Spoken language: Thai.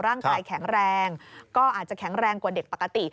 ร่างกายแข็งแรงก็อาจจะแข็งแรงกว่าเด็กปกติ